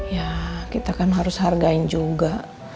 ya kita kan harus hargai juga